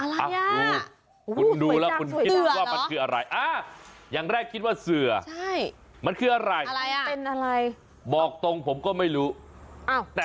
แต่มันเหมือนกับว่าเอาเป็นฉากกั้นอะไรอย่างงี้ปะ